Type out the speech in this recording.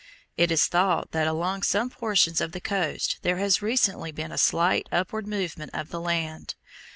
It is thought that along some portions of the coast there has recently been a slight upward movement of the land.